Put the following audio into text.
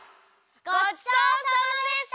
ごちそうさまでした！